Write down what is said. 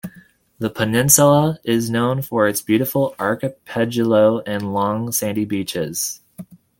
The peninsula is known for its beautiful archipelago and long sandy beaches.